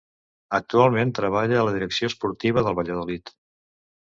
Actualment treballa a la direcció esportiva del Valladolid.